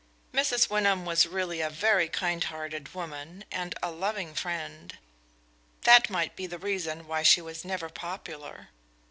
Mrs. Wyndham was really a very kind hearted woman and a loving friend. That might be the reason why she was never popular.